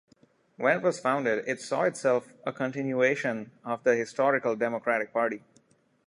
When it was founded, it saw itself a continuation of the historical Democratic Party.